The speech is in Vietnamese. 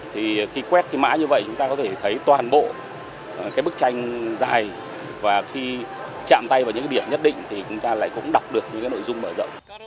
thì khi quét mã như vậy chúng ta có thể thấy toàn bộ bức tranh dài và khi chạm tay vào những điểm nhất định thì chúng ta lại cũng đọc được những nội dung mở rộng